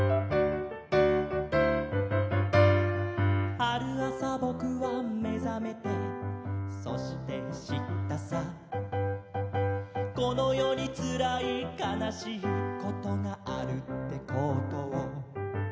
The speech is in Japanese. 「ある朝ぼくは目覚めてそして知ったさ」「この世につらい悲しいことがあるってことを」